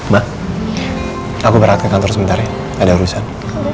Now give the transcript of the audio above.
ma aku berangkat ke kantor sebentar ya ada urusan